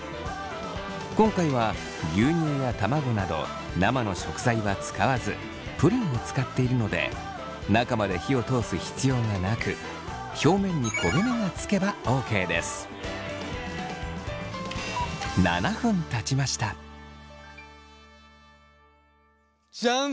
今回は牛乳や卵など生の食材は使わずプリンを使っているので中まで火を通す必要がなく表面に焦げ目がつけばＯＫです。じゃん！